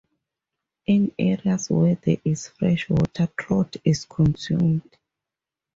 In areas where there is fresh water trout is consumed.